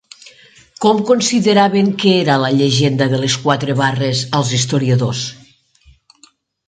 Com consideraven que era la llegenda de les quatre barres els historiadors?